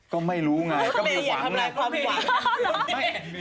ก็ไม่รู้ไงก็มีหวังน่ะ